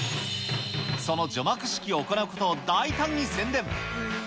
その除幕式を行うことを大胆に宣伝。